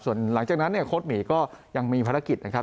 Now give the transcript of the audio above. ส่วนหลังจากนั้นเนี่ยโค้ดหมีก็ยังมีภารกิจนะครับ